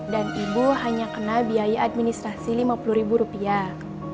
dan ibu hanya kena biaya administrasi lima puluh ribu rupiah